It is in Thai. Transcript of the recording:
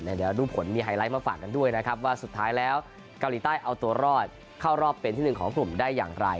เดี๋ยวดูผลมีไฮไลท์มาฝากกันด้วยนะครับว่าสุดท้ายแล้วเกาหลีใต้เอาตัวรอดเข้ารอบเป็นที่หนึ่งของกลุ่มได้อย่างไร